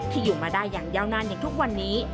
อยู่มาได้อย่างยาวนานอย่างทุกวันนี้